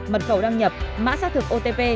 mật khẩu đăng nhập mã xác thực otp